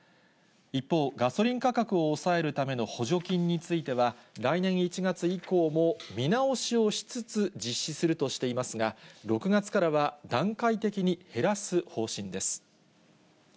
一方、ガソリン価格を抑えるための補助金については、来年１月以降も見直しをしつつ実施するとしていますが、６月からは段階的に減らす方針です。